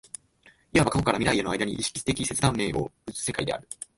いわば過去から未来への間に意識的切断面を有つ世界である。